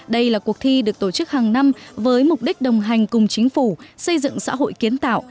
đây là cuộc thi được tổ chức hàng năm với mục đích đồng hành cùng chính phủ xây dựng xã hội kiến tạo